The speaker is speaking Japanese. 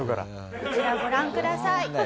こちらご覧ください。